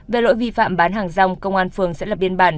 về lỗi vi phạm bán hàng rong công an phường sẽ lập biên bản